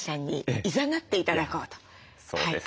そうですよね。